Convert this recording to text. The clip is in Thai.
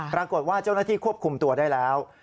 ปรากฏว่าเจ้าหน้าที่ควบคุมตัวได้แล้ว